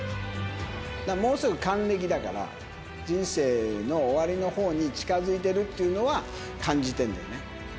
もうすぐ還暦だから、人生の終わりのほうに近づいているっていうのは、感じてんだよね。